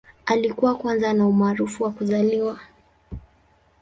Alikuwa kwanza ana umaarufu wa kuzaliwa.